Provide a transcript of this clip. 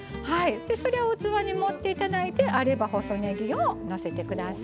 それを器に盛っていただいてあれば細ねぎをのせてください。